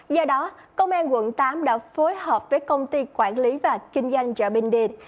do đó công an quận tám đã phối hợp với công ty quản lý và kinh doanh chợ bình điệp